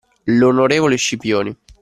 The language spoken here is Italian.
L'onorevole Scipioni.